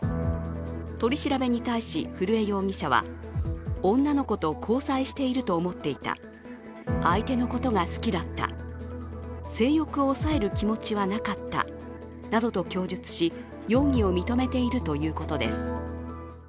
取り調べに対し、古江容疑者は女の子と交際していると思っていた相手のことが好きだった、性欲を抑える気持ちはなかったなどと供述し、容疑を認めているということです。